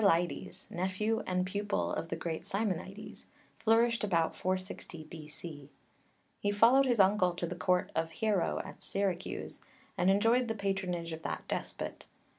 12; Suidas, s.v.) BAKCHYLIDES, nephew and pupil of the great Simonides, flourished about 460 B.C. He followed his uncle to the Court of Hiero at Syracuse, and enjoyed the patronage of that despot.